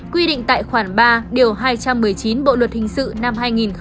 quy định tại khoản ba điều hai trăm một mươi chín bộ luật hình sự năm hai nghìn một mươi năm